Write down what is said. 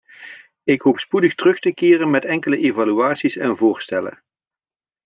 Ik hoop spoedig terug te keren met enkele evaluaties en voorstellen.